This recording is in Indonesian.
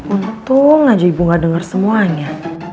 untung aja ibu gak denger semuanya